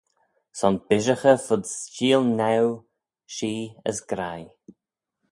Son bishaghey fud sheelnaue shee as graih.